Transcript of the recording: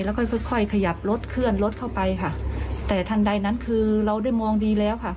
แล้วก็ค่อยค่อยขยับรถเคลื่อนรถเข้าไปค่ะแต่ทันใดนั้นคือเราได้มองดีแล้วค่ะ